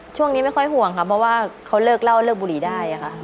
ช่วงนี้ไม่ค่อยห่วงค่ะเพราะว่าเขาเลิกเหล้าเลิกบุหรี่ได้ค่ะ